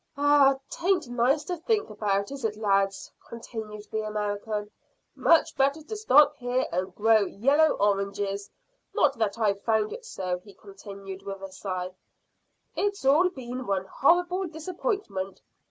"Ah, 'tain't nice to think about, is it, lads?" continued the American; "much better to stop here and grow yellow oranges not that I've found it so," he continued, with a sigh. "It's all been one horrible disappointment.